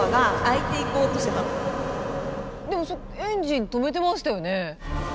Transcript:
でもエンジン止めてましたよね。